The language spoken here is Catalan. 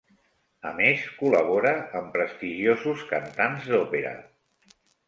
A més, col·labora amb prestigiosos cantants d'òpera.